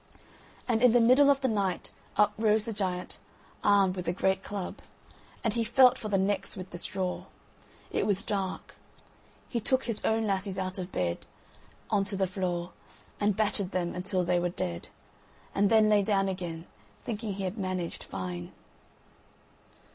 And in the middle of the night up rose the giant, armed with a great club, and felt for the necks with the straw. It was dark. He took his own lassies out of bed on to the floor, and battered them until they were dead, and then lay down again, thinking he had managed fine.